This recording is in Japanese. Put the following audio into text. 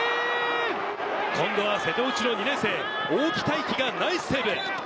今度は瀬戸内の２年生・大木泰季がナイスセーブ。